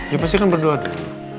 ya pasti kan berdua ada